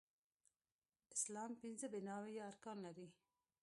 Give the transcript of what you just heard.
اسلام پنځه بناوې يا ارکان لري